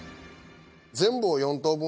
全部を４等分。